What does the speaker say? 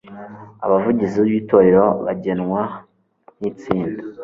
abavugizi b'itorero bagenwa n'itsinda